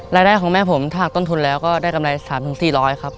รายได้ของแม่ผมถ้าหากต้นทุนแล้วก็ได้กำไร๓๔๐๐ครับ